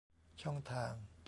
ช่องทาง